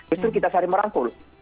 itu kita cari merangkul